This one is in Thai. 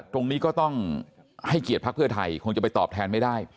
ตรงนี้ก็ต้องให้เกียรติภักดิ์เพื่อไทยคงจะไปตอบแทนไม่ได้